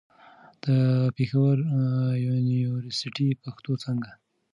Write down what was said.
د پېښور يونيورسټۍ، پښتو څانګه